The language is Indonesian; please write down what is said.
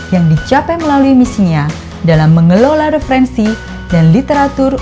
yang dicapai melalui misinya dalam mengelola referensi dan literatur